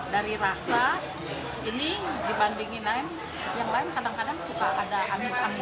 dari rasa ini dibandingin lain yang lain kadang kadang suka ada amis amis